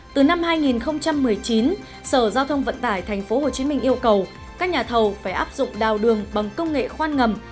từ năm hai nghìn một mươi chín sở giao thông vận tải tp hcm yêu cầu các nhà thầu phải áp dụng đào đường bằng công nghệ khoan ngầm